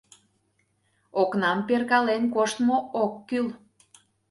Окнам перкален коштмо ок кӱл».